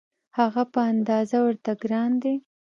هغه په اندازه ورته ګران دی.